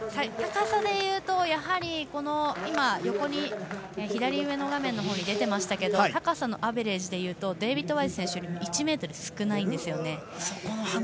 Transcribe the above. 高さで言うと左上の画面のほうに出ていましたが高さのアベレージで言うとデイビッド・ワイズ選手よりも１ｍ少ないんですよね。